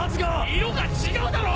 色が違うだろ！